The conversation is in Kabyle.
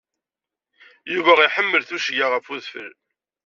Yuba iḥemmel tuccga ɣef udfel.